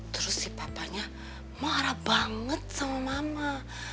terus si papanya marah banget sama mama